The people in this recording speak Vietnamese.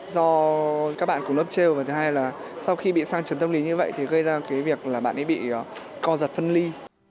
do các bạn cùng lớp treo và thứ hai là sau khi bị sang trần tâm lý như vậy thì gây ra cái việc là bạn ấy bị co giật phân ly